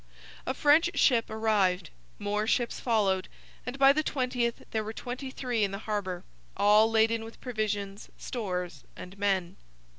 A French ship arrived; more ships followed; and by the 20th there were twenty three in the harbour, all laden with provisions, stores, and men.